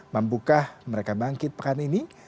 mampukah mereka bangkit pekan ini